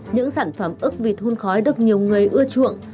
những sản phẩm ức vịt hun khói được nhiều người ưa chuộng